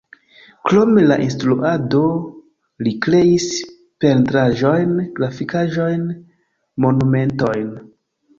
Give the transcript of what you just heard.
Krom la instruado li kreis pentraĵojn, grafikaĵojn, monumentojn.